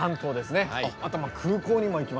あと空港にも行きますし。